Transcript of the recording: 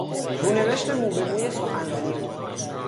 رونوشت موبهموی سخنرانی او